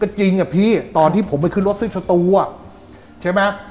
ก็จริงอะพี่ตอนที่ผมไปขึ้นรถซึ่งสตูอ่ะใช่ไหม